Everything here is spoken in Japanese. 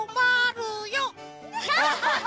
アハハハハ！